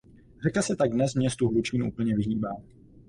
Řeka se tak dnes městu Hlučín úplně vyhýbá.